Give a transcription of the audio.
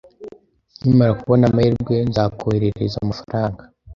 Nkimara kubona amahirwe, nzakoherereza amafaranga.